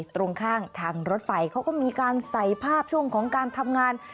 ตรงข้างทางรถไฟเขาก็มีการใส่ภาพช่วงของการทำงาน